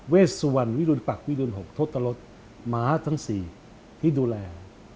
สวรรณวิรุณปักวิรุณ๖ทศรษม้าทั้ง๔ที่ดูแล